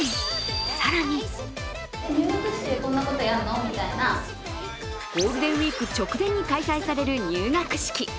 更にゴールデンウイーク直前に開催される入学式。